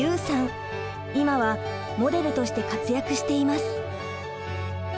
今はモデルとして活躍しています。